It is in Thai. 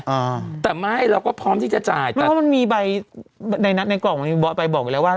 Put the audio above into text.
อ่าแต่ไม่เราก็พร้อมที่จะจ่ายแต่เพราะมันมีใบในนัดในกล่องไปบอกไปแล้วว่า